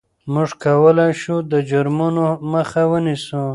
موږ کولای شو د جرمونو مخه ونیسو.